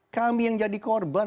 kami yang jadi korban